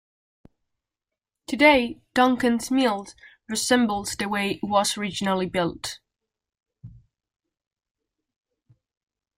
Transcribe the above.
Today, Duncans Mills resembles the way it was originally built.